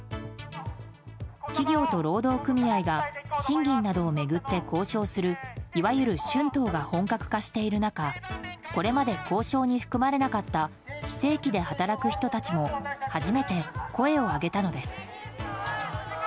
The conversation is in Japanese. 企業と労働組合が賃金などを巡って交渉するいわゆる春闘が本格化している中これまで交渉に含まれなかった非正規で働く人たちも初めて声を上げたのです。